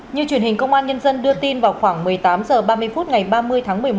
như truyền hình công an nhân dân đưa tin vào khoảng một mươi tám h ba mươi phút ngày ba mươi tháng một mươi một